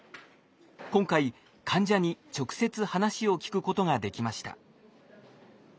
今回患者に直接話を聞くことができました。